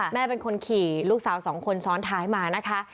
แม่เป็นคนขี่ลูกสาวสองคนซ้อนท้ายมานะคะ